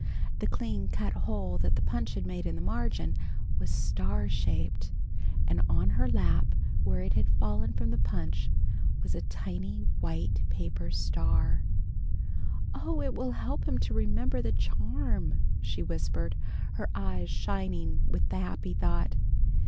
The clean cut hole that the punch had made in the margin was star shaped, and on her lap, where it had fallen from the punch, was a tiny white paper star. "Oh, it will help him to remember the charm!" she whispered, her eyes shining with the happy thought.